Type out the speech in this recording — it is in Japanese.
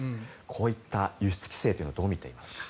こういった輸出規制というのをどう見ていますか。